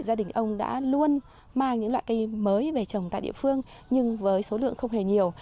gia đình ông đã luôn mang những loại cây mới về trồng tại địa phương nhưng với số lượng không hề nhiều